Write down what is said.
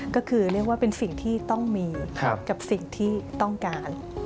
ก็คือเรียกว่าเป็นสิ่งที่ต้องมีกับสิ่งที่ต้องการ